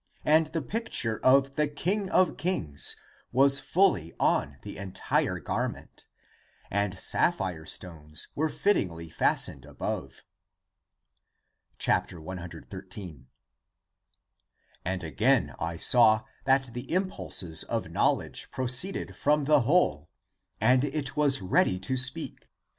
> And the picture of the King of kings Was fully on the entire garment, And sapphire stones were fittingly fastened above. ^' 113. And again I saw That the impulses of knowledge proceeded from the whole And it was ready to speak.